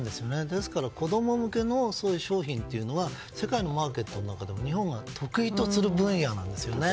ですから子供向けの商品というのは世界のマーケットの中でも日本が得意とする文化なんですよね。